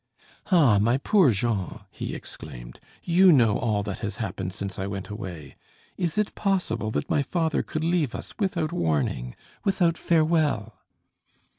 "Ah! my poor Jean!" he exclaimed, "you know all that has happened since I went away. Is it possible that my father could leave us without warning, without farewell?"